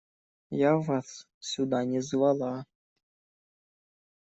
Я вас сюда не звала.